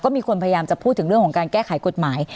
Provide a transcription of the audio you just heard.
มีคนพยายามจะพูดถึงเรื่องของการแก้ไขกฎหมาย